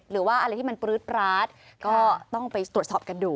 หรือว่าอะไรที่มันปลื๊ดปราดก็ต้องไปตรวจสอบกันดู